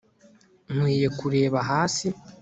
nkwiye kureba hasi